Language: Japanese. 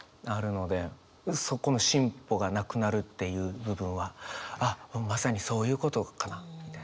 そこの進歩がなくなるっていう部分はあっまさにそういうことかな？みたいな。